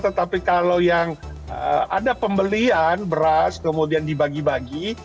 tetapi kalau yang ada pembelian beras kemudian dibagi bagi